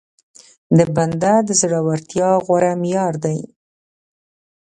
د بنده د زورورتيا غوره معيار دی.